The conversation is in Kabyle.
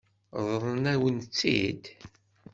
Ṛeḍlen-awen-tt-id?